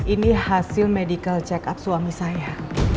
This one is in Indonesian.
ini hasil medical check up suami saya